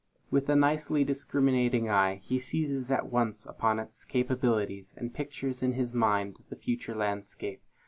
With a nicely discriminating eye, he seizes at once upon its capabilities, and pictures in his mind the future landscape.